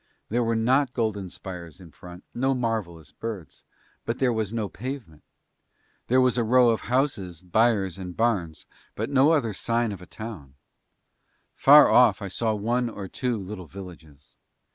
There were not golden spires in front, no marvellous birds; but there was no pavement. There was a row of houses, byres, and barns but no other sign of a town. Far off I saw one or two little villages.